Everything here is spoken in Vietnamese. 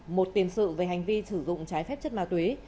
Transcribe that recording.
một tiền sự về hành vi sử dụng trái phép chất ma túy